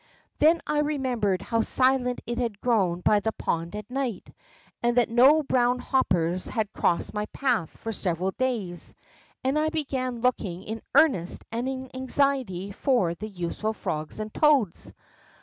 Then I remembered how silent it had grown by the pond at night, and that no brown hoppers had crossed my path for several days, and I began looking in earnest and in anxiety for the useful frogs and toads.